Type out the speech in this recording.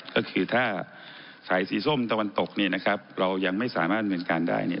ก็คือถ้าสายสีส้มตะวันตกเนี่ยนะครับเรายังไม่สามารถดำเนินการได้เนี่ย